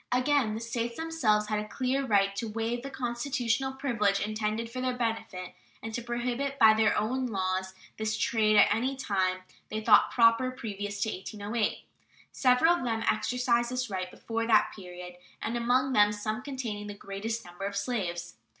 Again, the States themselves had a clear right to waive the constitutional privilege intended for their benefit, and to prohibit by their own laws this trade at any time they thought proper previous to 1808. Several of them exercised this right before that period, and among them some containing the greatest number of slaves.